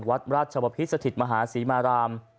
วัดราชบพิษสถิตมหาศรีมาราม